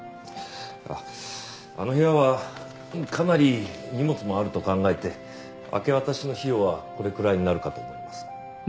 あっあの部屋はかなり荷物もあると考えて明け渡しの費用はこれくらいになるかと思います。